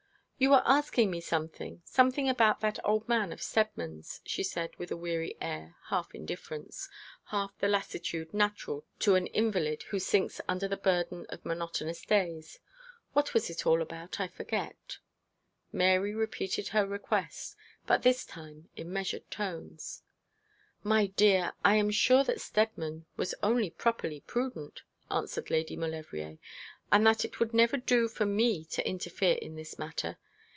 'You were asking me something something about that old man of Steadman's,' she said with a weary air, half indifference, half the lassitude natural to an invalid who sinks under the burden of monotonous days. 'What was it all about? I forget.' Mary repeated her request, but this time in measured tones. 'My dear, I am sure that Steadman was only properly prudent.' answered Lady Maulevrier, 'and that it would never do for me to interfere in this matter.